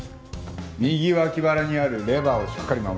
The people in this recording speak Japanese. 右脇腹にあるレバーをしっかり守る。